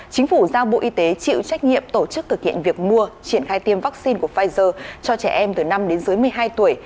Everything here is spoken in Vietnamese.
chính phủ giao bộ y tế chịu trách nhiệm tổ chức thực hiện việc mua triển khai tiêm vaccine của pfizer cho trẻ em từ năm đến dưới một mươi hai tuổi